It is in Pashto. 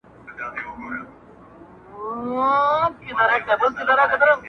o الوتني کوي.